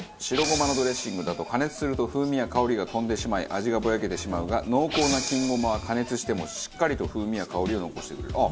白胡麻のドレッシングだと加熱すると風味や香りが飛んでしまい味がぼやけてしまうが濃厚な金胡麻は加熱してもしっかりと風味や香りを残してくれる。